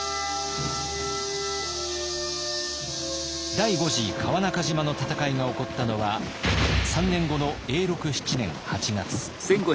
第五次川中島の戦いが起こったのは３年後の永禄７年８月。